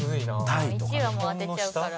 １位はもう当てちゃうから。